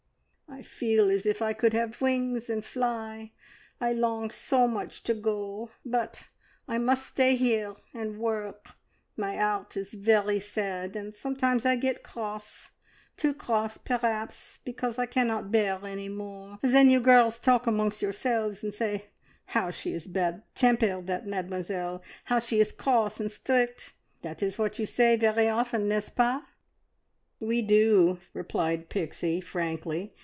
I feel as if I could have wings and fly, I long so much to go; but I must stay here and work. My 'eart is very sad, and sometimes I get cross too cross, perhaps, because I cannot bear any more. Then you girls talk among yourselves and say, `How she is bad tempered, that Mademoiselle! How she is cross and strict!' That is what you say very often, n'est ce pas?" "We do!" replied Pixie frankly.